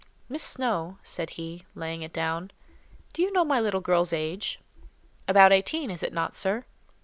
"Miss Snowe," said he, laying it down, "do you know my little girl's age?" "About eighteen, is it not, sir?"